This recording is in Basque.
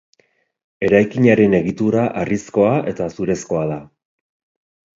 Eraikinaren egitura harrizkoa eta zurezkoa da.